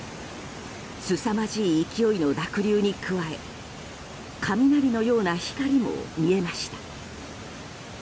すさまじい勢いの濁流に加え雷のような光も見えました。